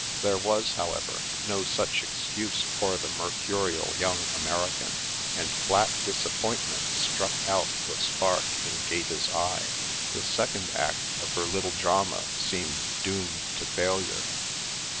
There was, however, no such excuse for the mercurial young American, and flat disappointment struck out the spark in Gaeta's eye. The second act of her little drama seemed doomed to failure.